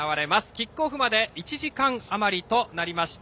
キックオフまで１時間あまりとなりました。